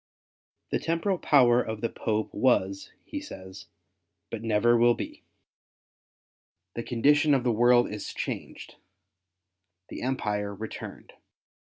The temporal power of the Popes was, he says, but never will be. The condition of the world is changed — the Empire returned.